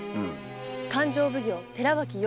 勘定奉行・寺脇伊予